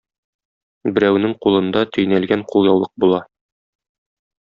Берәүнең кулында төйнәлгән кулъяулык була.